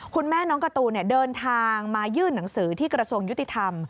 คุณแม่น้องการ์ตูนเดินทางมายื่นหนังสือที่กระทรวงยุติธรรม